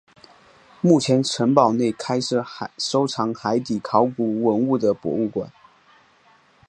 目前城堡内开设收藏海底考古文物的博物馆。